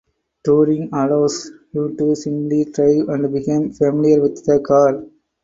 Touring allows you to simply drive and become familiar with the car.